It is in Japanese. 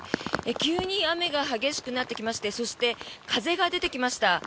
急に雨が激しくなってきましてそして風が出てきました。